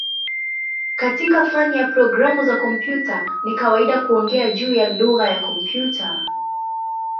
Katika fani ya programu za kompyuta ni kawaida kuongea juu ya "lugha ya kompyuta".